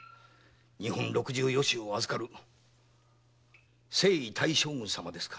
日本六十余州を預かる征夷大将軍様ですからね。